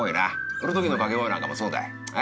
売る時の掛け声なんかもそうだよ。